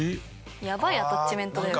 やばいアタッチメントだよ。